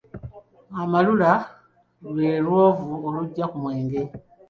Amalula lwe lwovu olujja ku mwenge.